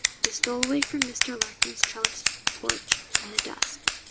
He stole away from Mr. Larkin's trellised porch, in the dusk.